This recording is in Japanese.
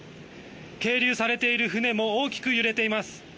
係留されている船も大きく揺れています。